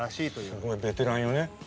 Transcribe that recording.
すごいベテランよね！